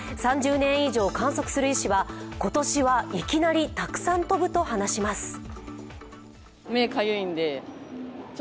３０年以上観測する医師は、今年はいきなりたくさん飛ぶと話します。